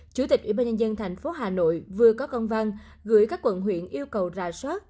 chủ tịch ủy ban nhân dân thành phố hà nội vừa có công văn gửi các quận huyện yêu cầu rà soát